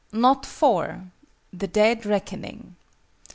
KNOT IV. THE DEAD RECKONING.